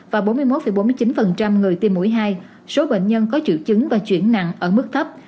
và bốn mươi một bốn mươi chín người tiêm mũi hai số bệnh nhân có triệu chứng và chuyển nặng ở mức thấp